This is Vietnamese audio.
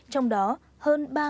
trong đó hơn ba